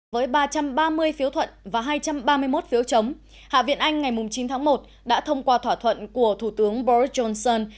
với ba trăm ba mươi phiếu thuận và hai trăm ba mươi một phiếu chống hạ viện anh ngày chín tháng một đã thông qua thỏa thuận của thủ tướng boris johnson